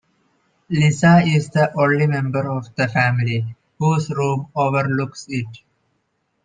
Lisa is the only member of the family whose room overlooks it.